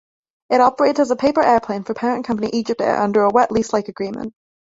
It operates as a 'paper-airline' for parent company EgyptAir under a "wet lease"-like agreement.